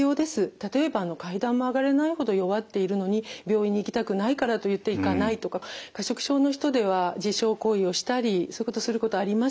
例えば階段も上がれないほど弱っているのに病院に行きたくないからといって行かないとか過食症の人では自傷行為をしたりそういうことすることあります。